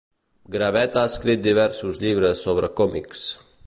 Gravett ha escrit diversos llibres sobre còmics.